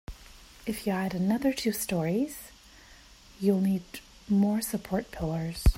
If you add another two storeys, you'll need more support pillars.